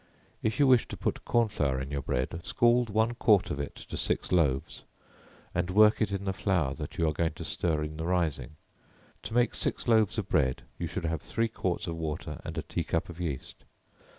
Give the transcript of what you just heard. If you wish to put corn flour in your bread, scald one quart of it to six loaves, and work it in the flour that you are going to stir in the rising, to make six loaves of bread, you should have three quarts of water and a tea cup of yeast.